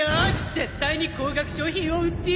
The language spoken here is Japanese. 絶対に高額商品を売ってやるわ！